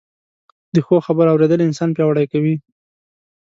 د ښو خبرو اورېدل انسان پياوړی کوي